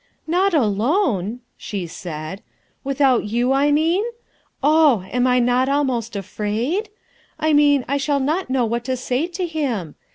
"Not alone!" she said. "Without you, I mean ? Oh ! Am I not almost afraid ? I mean, I shall not know what to say to him.